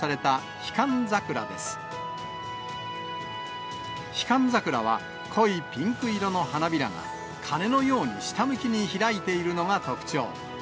ヒカンザクラは、濃いピンク色の花びらが鐘のように下向きに開いているのが特徴。